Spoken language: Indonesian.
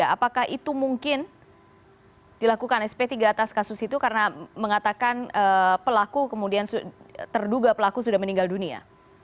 apakah itu mungkin dilakukan sp tiga atas kasus itu karena mengatakan pelaku kemudian terduga pelaku sudah meninggal dunia